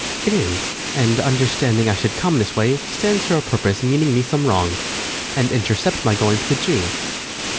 it is; And, understanding I should come this way, Stands here o' purpose, meaning me some wrong, And intercept my going to the Jew.